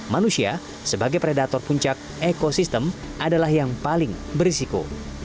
manusia sebagai predator puncak ekosistem adalah yang paling berisiko